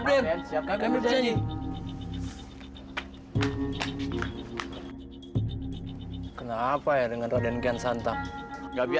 eh ini santang kau kamu bukan ngamung sih